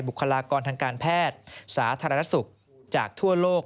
บุคลากรทางการแพทย์สาธารณสุขจากทั่วโลก